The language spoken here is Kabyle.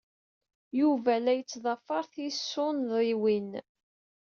Yuba la yettḍafar tisunḍiwin.